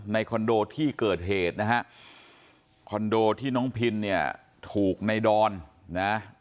คอนโดที่เกิดเหตุนะฮะคอนโดที่น้องพินเนี่ยถูกในดอนนะ